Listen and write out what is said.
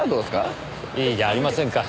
いいじゃありませんか。